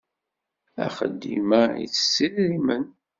Axeddim-a ittett idrimen.